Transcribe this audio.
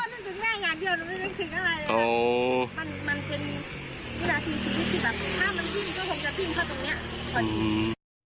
นึกถึงแน่งอยากเที่ยวแต่ไม่รู้สึกถึงอะไรเลย